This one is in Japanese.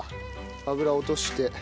油落として。